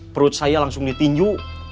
perut saya langsung ditinju